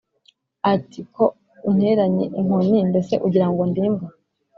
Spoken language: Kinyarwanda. ati “Ko unteranye inkoni! Mbese ugira ngo ndi imbwa?”